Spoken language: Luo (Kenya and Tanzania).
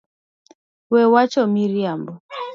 We wacho miriambo